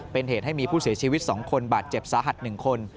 เป็นเหตุให้มีผู้เสียชีวิต๒คนบาดเจ็บสาหัส๑คน